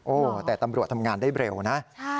โอ้โหแต่ตำรวจทำงานได้เร็วนะ